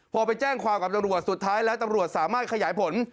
พอไปแจ้งความกับตำรวจสุดท้ายแล้วตำรวจสามารถขยายผล